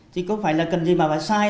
thì có phải là cần gì mà phải sai